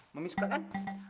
mami suka kan